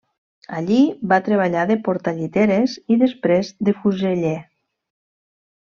Allí, va treballar de portalliteres i després de fuseller.